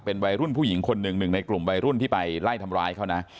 เป็นวัยรุ่นผู้หญิงคนหนึ่งหนึ่งในกลุ่มวัยรุ่นที่ไปไล่ทำร้ายเขานะ